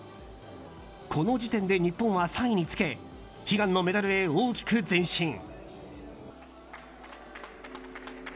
この時点で日本は３位につけ悲願のメダルへ大きく前進。